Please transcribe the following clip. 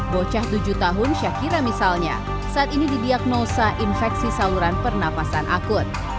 bocah tujuh tahun syakira misalnya saat ini didiagnosa infeksi saluran pernafasan akut